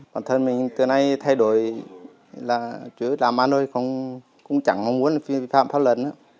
bản thân mình từ nay thay đổi là chủ yếu làm bà nôi cũng chẳng mong muốn phạm pháp luật nữa